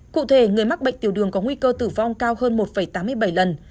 cụ thể người mắc bệnh tiểu đường có nguy cơ tử vong cao hơn một tám mươi bảy lần